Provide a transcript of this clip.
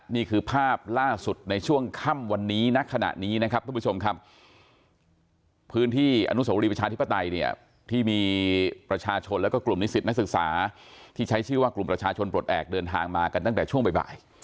นี่คือภาพล่าสุดในช่วงค่ำวันนี้นักขณะนี้นะครับทุกผู้ชมครับ